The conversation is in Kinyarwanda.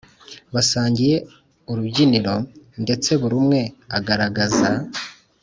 basangiye urubyiniro ndetse buri umwe agaragaza